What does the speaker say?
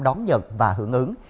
đón nhận và hưởng ứng